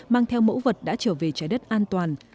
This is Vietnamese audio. mang theo mẫu vật đã trở về trái đất an toàn